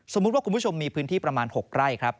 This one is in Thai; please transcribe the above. สมมุติว่าคุณผู้ชมมีพื้นที่ประมาณ๖ไร่